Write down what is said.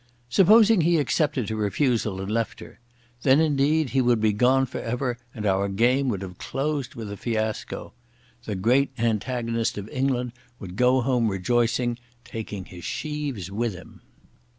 Supposing he accepted her refusal and left her. Then indeed he would be gone for ever and our game would have closed with a fiasco. The great antagonist of England would go home rejoicing, taking his sheaves with him.